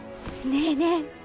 ねえねえ